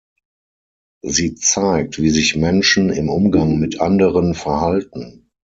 Sie zeigt, wie sich Menschen im Umgang mit Anderen verhalten.